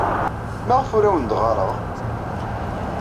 Maɣef ur awen-d-ɣɣareɣ?